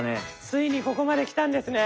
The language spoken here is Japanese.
ついにここまできたんですね！